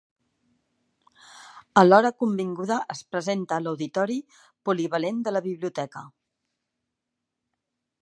A l'hora convinguda es presenta a l'auditori polivalent de la biblioteca.